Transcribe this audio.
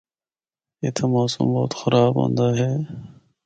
اِتھا موسم بہت خراب ہوندا ہے۔